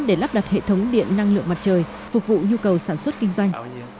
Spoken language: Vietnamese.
để lắp đặt hệ thống điện năng lượng mặt trời phục vụ nhu cầu sản xuất kinh doanh